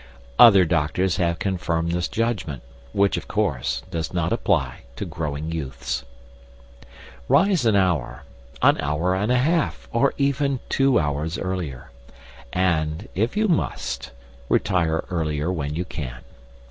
Other doctors have confirmed this judgment, which, of course, does not apply to growing youths. Rise an hour, an hour and a half, or even two hours earlier; and if you must retire earlier when you can.